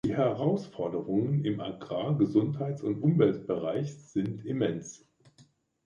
Die Herausforderungen im Agrar-, Gesundheits- und Umweltbereich sind immens.